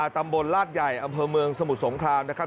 ตำบลลาดใหญ่อำเภอเมืองสมุทรสงครามนะครับ